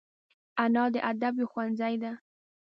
انا د ادب یو ښوونځی ده